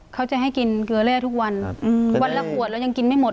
เขาจะให้กินเกลือแร่ทุกวันวันละขวดเรายังกินไม่หมด